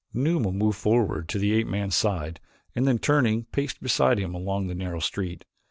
Numa moved forward to the ape man's side and then turning, paced beside him along the narrow street.